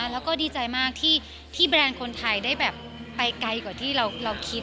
แล้วก็ดีใจมากที่แบรนด์คนไทยได้แบบไปไกลกว่าที่เราคิด